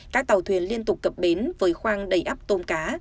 các tàu thuyền liên tục cập bến với khoang đầy ấp tôm cá